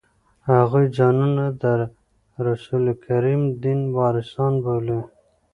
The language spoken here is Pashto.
هغوی ځانونه د رسول کریم دین وارثان بولي.